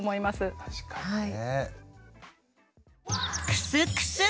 確かにね。